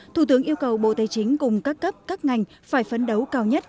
thủ tướng yêu cầu bộ tài chính cùng các cấp các ngành phải phấn đấu cao nhất